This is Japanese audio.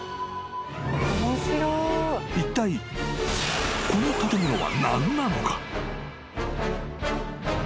［いったいこの建物は何なのか？］